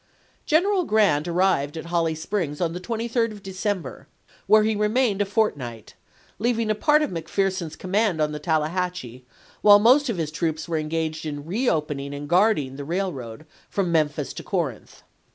General Grant arrived at Holly Springs on the 23d of December, where he re mained a fortnight, leaving a part of McPherson's command on the Tallahatchie, while most of his troops were engaged in reopening and guarding the railroad from Memphis to Corinth.